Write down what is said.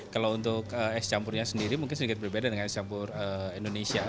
kalau untuk es campurnya sendiri mungkin sedikit berbeda dengan es campur indonesia